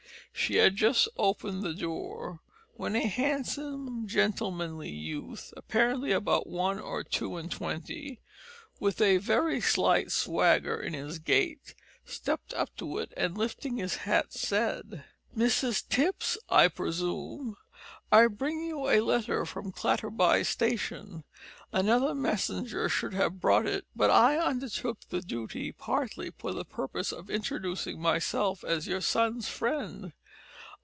She had just opened the door, when a handsome, gentlemanly youth, apparently about one or two and twenty, with a very slight swagger in his gait stepped up to it and, lifting his hat said "Mrs Tipps, I presume? I bring you a letter from Clatterby station. Another messenger should have brought it, but I undertook the duty partly for the purpose of introducing myself as your son's friend.